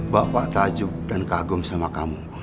bapak tajuk dan kagum sama kamu